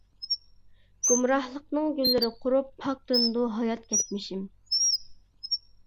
گۇمراھلىقنىڭ گۈللىرى قۇرۇپ، پاكلىنىدۇ ھايات كەچمىشىم.